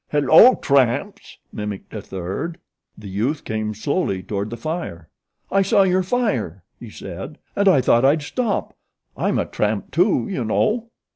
"'Hello, tramps'!" mimicked a third. The youth came slowly toward the fire. "I saw your fire," he said, "and I thought I'd stop. I'm a tramp, too, you know."